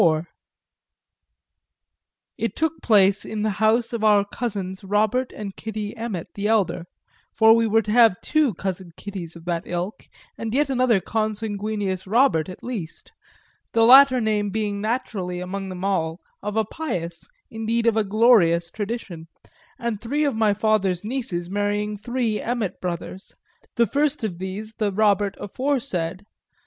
IV It took place in the house of our cousins Robert and Kitty Emmet the elder for we were to have two cousin Kittys of that ilk and yet another consanguineous Robert at least; the latter name being naturally, among them all, of a pious, indeed of a glorious, tradition, and three of my father's nieces marrying three Emmet brothers, the first of these the Robert aforesaid.